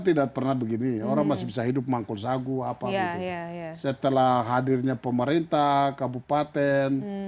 tidak pernah begini orang masih bisa hidup mangkul sagu apa gitu setelah hadirnya pemerintah kabupaten